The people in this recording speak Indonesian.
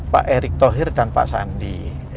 pak erick thohir dan pak sandi